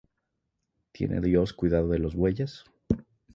¿Tiene Dios cuidado de los bueyes?